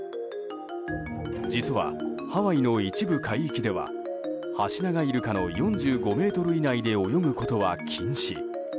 実は、ハワイの一部海域ではハシナガイルカの４５ｍ以内で泳ぐことは禁止。